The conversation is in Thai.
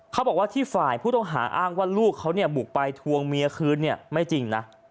เขาบอกว่าที่ฝ่ายผู้ต้องหาอ้างว่าลูกเขาเนี่ยบุกไปทวงเมียคืนเนี่ยไม่จริงนะ